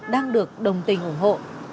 đang được đồng tình ủng hộ